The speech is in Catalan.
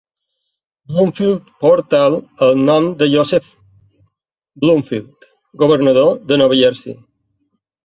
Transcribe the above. Bloomfield portal el nom de Joseph Bloomfield, governador de Nova Jersey.